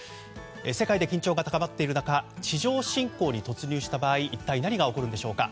世界で緊張が高まっている中地上侵攻に突入した場合一体何が起こるんでしょうか。